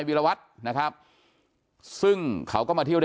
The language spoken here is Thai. อยู่ดีมาตายแบบเปลือยคาห้องน้ำได้ยังไง